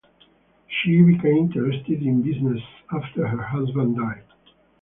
She became interested in business after her husband died.